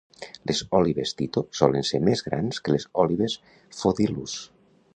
Les òlibes "Tyto" solen ser més grans que les òlibes Phodilus.